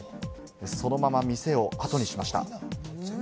そのまま店をあとにしました。